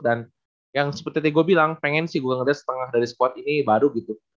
dan yang seperti tadi gue bilang pengen sih gue ngedes setengah dari squad ini baru gitu